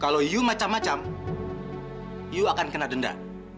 kalau ibu macam macam ibu akan kena denda